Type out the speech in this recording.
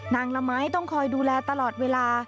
ละไม้ต้องคอยดูแลตลอดเวลา